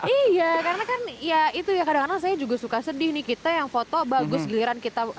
iya karena kan ya itu ya kadang kadang saya juga suka sedih nih kita yang foto bagus giliran kita